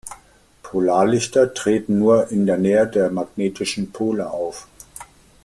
Polarlichter treten nur in der Nähe der magnetischen Pole auf.